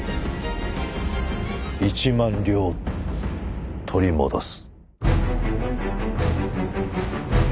１万両取り戻す。